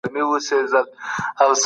چي په دې سره په بېلابېلو پیړیو کي.